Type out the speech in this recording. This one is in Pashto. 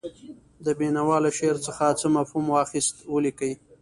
د بېنوا له شعر څخه څه مفهوم واخیست ولیکئ.